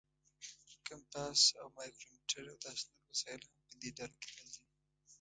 کمپاس او مایکرومیټر او داسې نور وسایل هم په دې ډله کې راځي.